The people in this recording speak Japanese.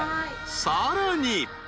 ［さらに］